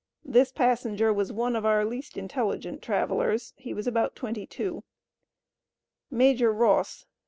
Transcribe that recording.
This passenger was one of our least intelligent travelers. He was about 22. Major Ross.